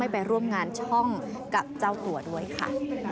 ไปร่วมงานช่องกับเจ้าตัวด้วยค่ะ